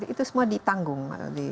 itu semua ditanggung